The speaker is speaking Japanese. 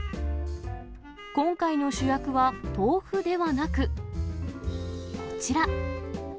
今回の主役は豆腐ではなく、こちら。